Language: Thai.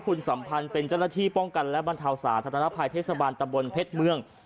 คุณสัมพันธ์เป็นเจ้าหน้าที่ป้องกันและบรรเทาสาธารณภัยเทศบาลตะบนเพชรเมือง